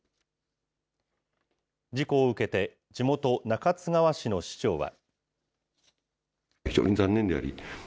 事故を受けて、地元、中津川市の市長は。